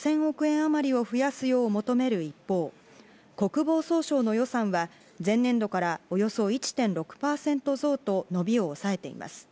あまりを増やすよう求める一方、国防総省の予算は前年度からおよそ１．６％増と伸びを抑えています。